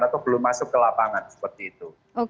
atau belum masuk ke lapangan seperti itu